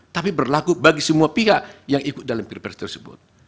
tapi berlaku bagi semua pihak yang ikut dalam pilpres tersebut